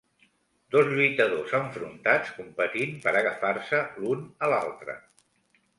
Dos lluitadors enfrontats competint per agafar-se l'un a l'altre.